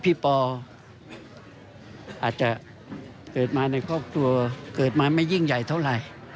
ปออาจจะเกิดมาในครอบครัวเกิดมาไม่ยิ่งใหญ่เท่าไหร่